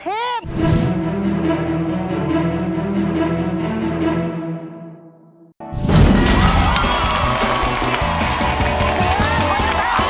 เตรียมมากคุณครับตั้งแต่ชนะครับ